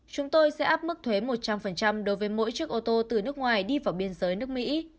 chúng tôi sẽ áp mức thuế một trăm linh đối với mỗi chiếc ô tô từ nước ngoài đi vào biên giới nước mỹ